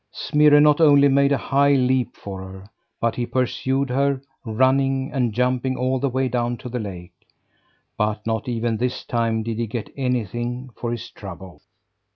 Smirre not only made a high leap for her, but he pursued her, running and jumping all the way down to the lake. But not even this time did he get anything for his trouble.